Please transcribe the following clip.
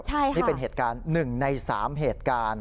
ใช่ค่ะนี่เป็นเหตุการณ์๑ใน๓เหตุการณ์